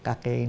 cả các cái nước